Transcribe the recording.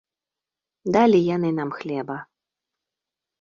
Далі яны нам хлеба.